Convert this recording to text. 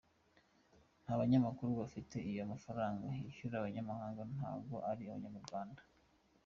Nta banyamakuru dufite, ayo mafaranga yishyura abanyamahanga ntago ari abanyarwanda.